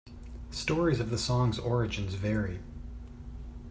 Stories of the song's origins vary.